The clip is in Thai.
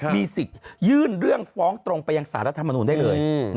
มีสิทธิ์ยื่นเรื่องฟ้องตรงไปยังสารรัฐมนุนได้เลย